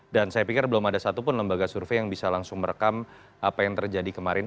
dan saya pikir belum ada satupun lembaga survei yang bisa langsung merekam apa yang terjadi kemarin